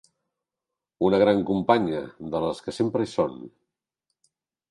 Una gran companya, de les que sempre hi són.